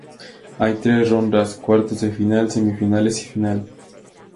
Hay tres rondas: cuartos de final, semifinales y final.